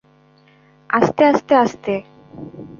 আস্তে, আস্তে, আস্তে!